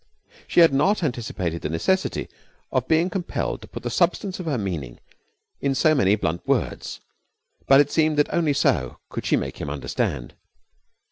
She had not anticipated the necessity of being compelled to put the substance of her meaning in so many blunt words, but it seemed that only so could she make him understand.